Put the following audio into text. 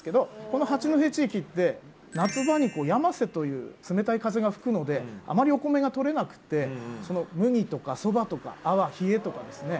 この八戸地域って夏場に「やませ」という冷たい風が吹くのであまりお米が取れなくて麦とかそばとかあわひえとかですね